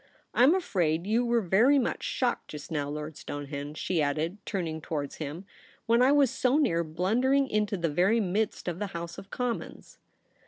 I am afraid you were very much shocked just now. Lord Stonehenge,' she added, turn ing towards him, * when I w^as so near blundering into the very midst of the House of Commons